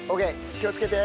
気をつけて。